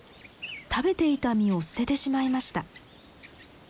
食べていた実を捨ててしまいました。